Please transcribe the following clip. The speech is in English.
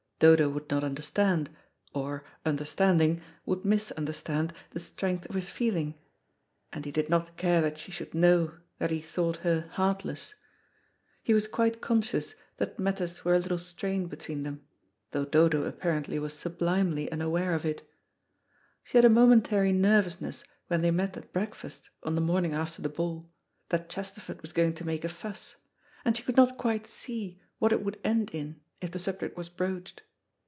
Dodo would not understand, or, understanding, would misunderstand the strength of his feeling, and he did not care that she should know that he thought her heartless. He was quite conscious that matters were a little strained between them, though Dodo apparently was sublimely unaware, of it. She had a momentary nervousness when they met at breakfast, on the morning after the ball, that Chesterford was going to make a fuss, and she could not quite see what it would end in, if the subject was broached.